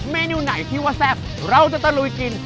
เมนูไหนที่ว่าแซ่บเราจะตะลุยกิน